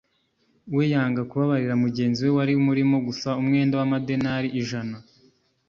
we yanga kubabarira mugenzi we wari umurimo gusa umwenda w'amadenari ijana